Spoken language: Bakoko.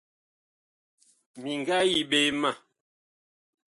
Mi nga yi ɓe ma.